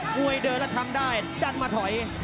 วยเดินแล้วทำได้ดันมาถอย